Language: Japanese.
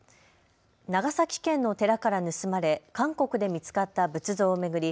長崎県の寺から盗まれ韓国で見つかった仏像を巡り